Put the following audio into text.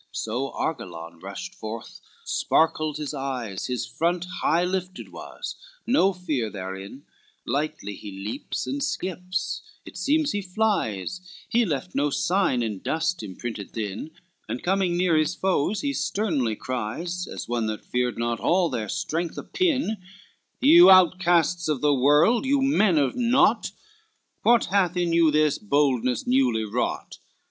LXXVI So Argillan rushed forth, sparkled his eyes, His front high lifted was, no fear therein, Lightly he leaps and skips, it seems he flies, He left no sign in dust imprinted thin, And coming near his foes, he sternly cries, As one that forced not all their strength a pin, "You outcasts of the world, you men of naught What hath in you this boldness newly wrought?